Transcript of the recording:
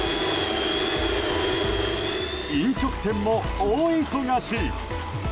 飲食店も大忙し！